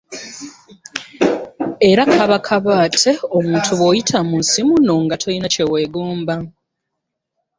Era kaba kabaate omuntu bw'oyita mu nsi muno nga tolina kye weegomba